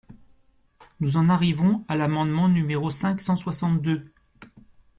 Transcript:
Nous en arrivons à l’amendement numéro cinq cent soixante-deux.